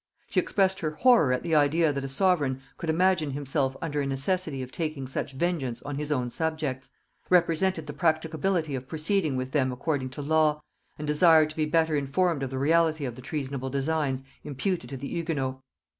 She expressed her horror at the idea that a sovereign could imagine himself under a necessity of taking such vengeance on his own subjects; represented the practicability of proceeding with them according to law, and desired to be better informed of the reality of the treasonable designs imputed to the Hugonots.